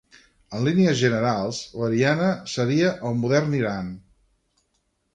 En línies generals l'Ariana seria el modern Iran.